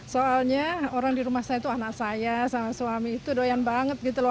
soalnya orang di rumah saya itu anak saya sama suami itu doyan banget gitu loh